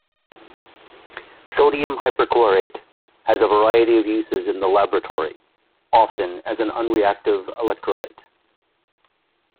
NaClO has a variety of uses in the laboratory, often as an unreactive electrolyte.